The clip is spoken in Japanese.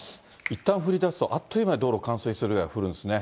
いったん降りだすとあっという間に道路、冠水するぐらい降るんですね。